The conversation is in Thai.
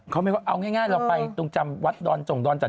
เขาไม่ว่าเอาง่ายเราไปตรงจำวัดดอนจงดอนจันท